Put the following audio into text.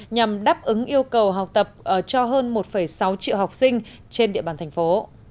nhằm đáp ứng yêu cầu học tập cho hơn một sáu triệu học sinh trên địa bàn thành phố